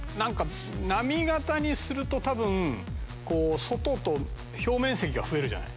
波型にすると多分こう外と表面積が増えるじゃない。